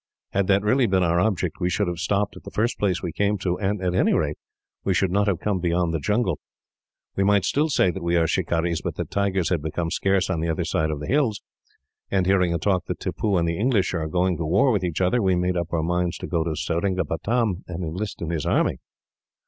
Had that really been our object, we should have stopped at the first place we came to, and, at any rate, we should not have come beyond the jungle. We might still say that we are shikarees, but that tigers had become scarce on the other side of the hills, and, hearing a talk that Tippoo and the English are going to war with each other, we made up our minds to go to Seringapatam, and enlist in his army."